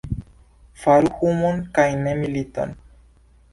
Faru humon kaj ne militon!